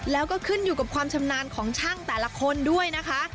แล้วก็ขึ้นอยู่กับความชำนาญของช่างแต่ละคนด้วยนะคะ